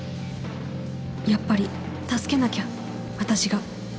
やっぱり助けなきゃ私が